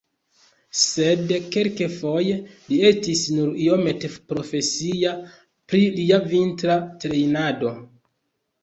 Sed kelkfoje li estis nur iomete profesia pri lia vintra trejnado.